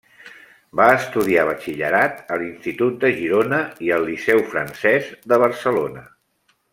Va estudiar batxillerat a l'Institut de Girona i al Liceu Francès de Barcelona.